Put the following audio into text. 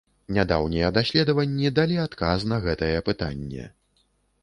Нядаўнія даследаванні далі адказ на гэтае пытанне.